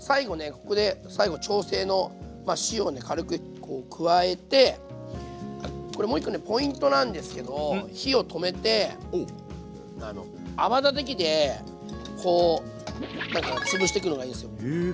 ここで最後調整の塩を軽く加えてこれもう１個ねポイントなんですけど火を止めて泡立て器でこうつぶしてくのがいいんですよ。へえ。